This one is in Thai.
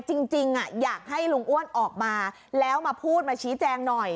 จริงอยากให้ลุงอ้วนออกมาแล้วมาพูดมาชี้แจงหน่อย